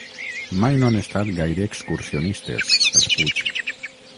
Mai no han estat gaire excursionistes, els Puig.